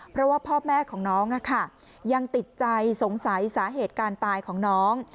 เพราะว่าพ่อแม่ของน้องยังติดใจสงสัยสาเหตุการตายของน้อง